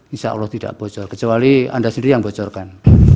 insya allah tidak bocor kecuali anda sendiri yang bocorkan